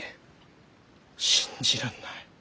信じらんない。